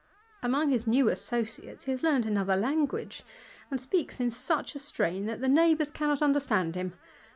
Among his new associates he has learned another tiguage, and speaks in such a strain that the neighbours nnot understand him.